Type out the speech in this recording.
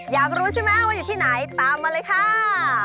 อยากรู้ใช่ไหมว่าอยู่ที่ไหนตามมาเลยค่ะ